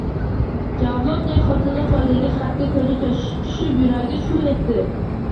Javlonbek xotinining qo’lidagi xatga ko’zi to’shib yuragi “shuv” etdi.